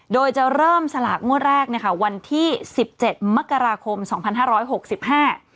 โดยจะเริ่มสลากงวดแรกเนี่ยค่ะวันที่สิบเจ็ดมกราคมสองพันห้าร้อยหกสิบห้า